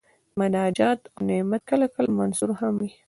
مناجات او نعت کله کله منثور هم وي.